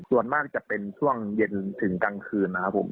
ส่วนมากจะเป็นช่วงเย็นถึงกลางคืนนะครับผม